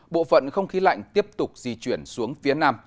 bộ phận không khí lạnh tiếp tục di chuyển xuống phía nam